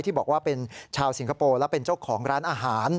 ที่บอกว่าเป็นชาวสิงคโปร์และเป็นเจ้าของร้านอาหาร